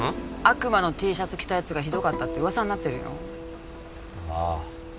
悪魔のＴシャツ着たやつがひどかったって噂になってるよああ